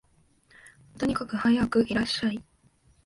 とにかくはやくいらっしゃい